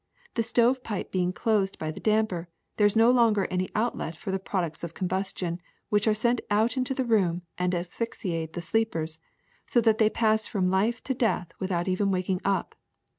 The stovepipe being closed by the damper, there is no longer any outlet for the products of combustion, which are sent out into the room and asphyxiate the sleepers, so that they pass from life to death without even wak ing up.